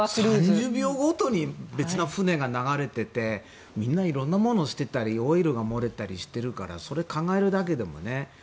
３０秒ごとに別の船が流れていてみんな色んなものを捨てたりオイルとかも流れているからそれを考えるだけでもね。